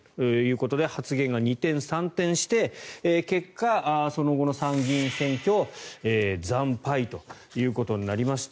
発言が二転三転して結果、その後の参議院選挙惨敗ということになりました。